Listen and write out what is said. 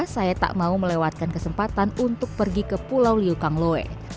saya tak mau melewatkan kesempatan untuk pergi ke pulau liukangloe